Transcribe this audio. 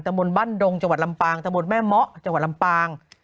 มนต์บ้านดงจังหวัดลำปางตะบนแม่เมาะจังหวัดลำปาง